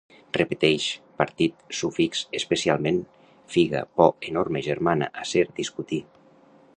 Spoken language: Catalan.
Repeteix: partit, sufix, especialment, figa, por, enorme, germana, acer, discutir